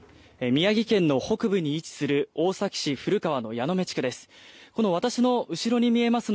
宮城県の北部に位置する宮城県大崎市古川の矢目地区です。